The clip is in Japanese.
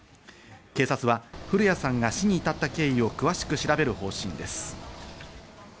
警察は古屋さんが死に至った経緯を詳しく調べる方針です。